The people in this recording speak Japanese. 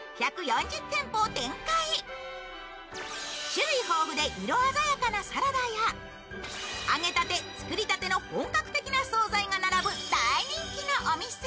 種類豊富で色鮮やかなサラダや揚げたて、作りたての本格的な総菜が並ぶ大人気のお店。